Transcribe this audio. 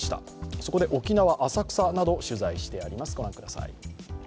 そこで沖縄、浅草などを取材してあります。